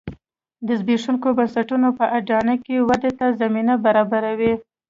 د زبېښونکو بنسټونو په اډانه کې ودې ته زمینه برابروي